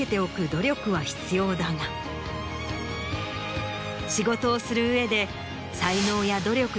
だが仕事をする上で。